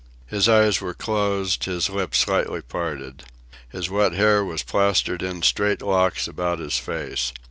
His eyes were closed, his lips slightly parted. His wet hair was plastered in straight locks about his face.